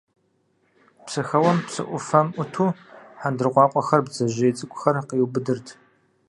Псыхэуэм, псы ӏуфэм ӏуту, хьэндыркъуакъуэхэр, бдзэжьей цӏыкӏухэр къиубыдырт.